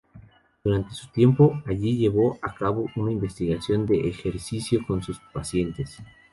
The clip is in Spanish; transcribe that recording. Durante su tiempo allí llevó a cabo una investigación de ejercicio con sus pacientes.